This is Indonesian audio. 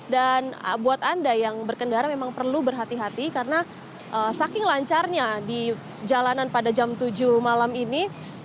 dan buat anda yang berkendara memang perlu berhati hati karena saking lancarnya di jalanan pada jam tujuh malam ini